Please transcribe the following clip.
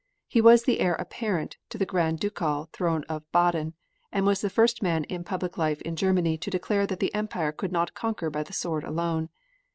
He was the heir apparent to the Grand Ducal throne of Baden, and was the first man in public life in Germany to declare that the Empire could not conquer by the sword alone.